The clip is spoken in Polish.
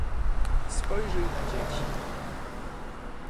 "Spojrzyj na dzieci."